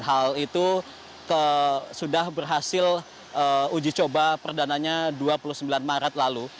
hal itu sudah berhasil uji coba perdananya dua puluh sembilan maret lalu